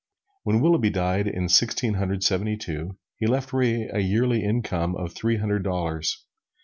When Willughby died, in Sixteen Hundred Seventy two, he left Ray a yearly income of three hundred dollars.